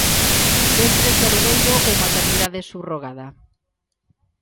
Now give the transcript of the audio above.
Ventres de alugueiro ou maternidade subrogada?